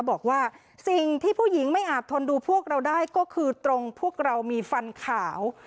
บอกว่าสิ่งที่ผู้หญิงไม่อาบทนดูพวกเราได้ก็คือตรงพวกเรามีฟันขาว